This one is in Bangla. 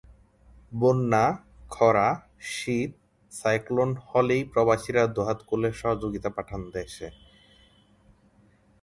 বন্যা, খরা, শীত, সাইক্লোন হলেই প্রবাসীরা দুহাত খুলে সহযোগিতা পাঠান দেশে।